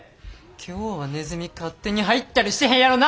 今日はネズミ勝手に入ったりしてへんやろな！